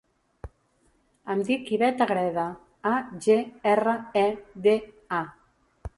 Em dic Ivet Agreda: a, ge, erra, e, de, a.